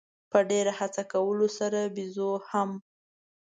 په ډېره هڅه کولو سره بېزو هم.